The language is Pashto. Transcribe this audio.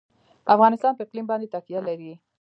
افغانستان په اقلیم باندې تکیه لري.